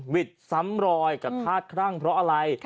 วิทย์ซ้ำรอยกับธาตุครั่งเพราะอะไร